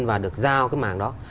và được giao cái mảng đó